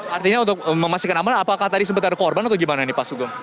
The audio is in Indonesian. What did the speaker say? artinya untuk memastikan aman apakah tadi sempat ada korban atau gimana nih pak sugeng